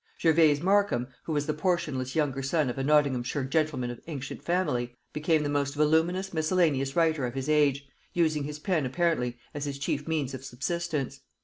Gervase Markham, who was the portionless younger son of a Nottinghamshire gentleman of ancient family, became the most voluminous miscellaneous writer of his age, using his pen apparently as his chief means of subsistence.